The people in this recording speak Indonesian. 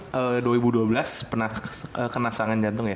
karena dua ribu dua belas pernah kena serangan jantung ya